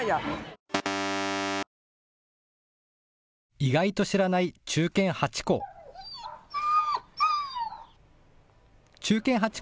意外と知らない忠犬ハチ公。